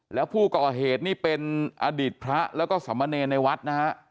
แล้วผู้ก่อเหตุนี่เป็นอดีตพระแล้วก็สมเนรในวัดนะฮะ